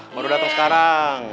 baru dateng sekarang